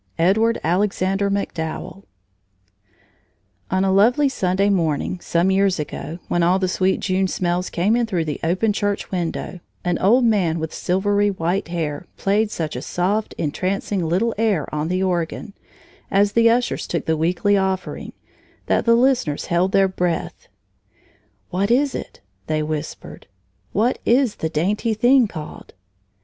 EDWARD ALEXANDER MACDOWELL On a lovely Sunday morning, some years ago, when all the sweet June smells came in through the open church window, an old man with silvery white hair played such a soft, entrancing little air on the organ, as the ushers took the weekly offering, that the listeners held their breath. "What is it?" they whispered. "What is the dainty thing called?"